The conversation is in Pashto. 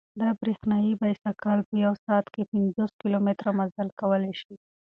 دا برېښنايي بایسکل په یوه ساعت کې پنځوس کیلومتره مزل کولای شي.